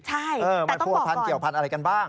ใช่แต่ต้องบอกก่อนมันผัวพันเกี่ยวพันอะไรกันบ้าง